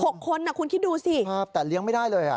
คนอ่ะคุณคิดดูสิภาพแต่เลี้ยงไม่ได้เลยอ่ะ